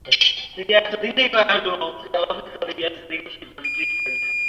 তাছাড়া, আমি ছোট নোটে এখান থেকে বের হবে কীভাবে?